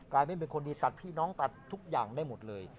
ไม่มีคนดีตัดพี่น้องตัดทุกอย่างได้หมดเลย